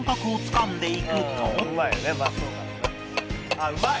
「あっうまい！」